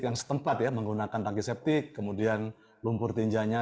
yang setempat ya menggunakan tangki septik kemudian lumpur tinjanya